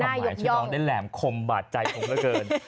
ให้คำหมายช่วยน้องได้แหลมคมบาดใจผมเท่าเกิน